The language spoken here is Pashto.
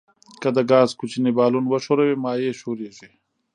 که د ګاز کوچنی بالون وښوروئ مایع ښوریږي.